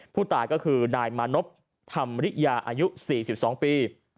ผู้ตายก็คือนายมานพธรรมริยาอายุ๔๒ปี